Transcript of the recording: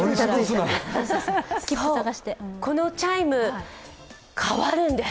このチャイム、変わるんです。